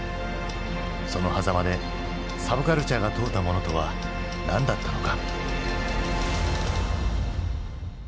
そのはざまでサブカルチャーが問うたものとは何だったのか。